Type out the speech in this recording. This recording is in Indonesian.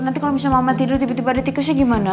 nanti kalau misalnya mama tidur tiba tiba ada tikusnya gimana